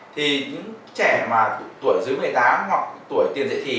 thì những trẻ mà tuổi dưới một mươi tám hoặc tuổi tiền định thì